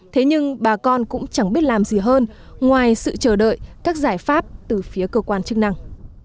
thế nhưng bà con cũng chẳng biết làm gì hơn ngoài sự chờ đợi các giải pháp từ phía cơ quan chức năng